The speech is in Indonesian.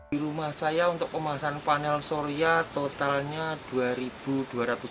di rumah saya untuk pemasan panel surya saya menggunakan panel yang berkualitas